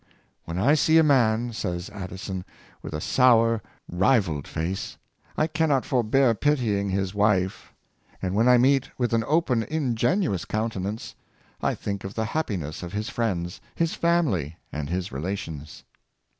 *' When I see a man," says Addison, ^' with a sour, riveled face, I cannot forbear pitying his wife; and when I meet with an open, in genuous countenance, I think of the happiness of his friends, his family and his relations."